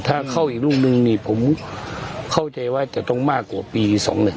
ถ้าเข้าอีกลูกนึงนี่ผมเข้าใจว่าจะต้องมากกว่าปี๒๑๒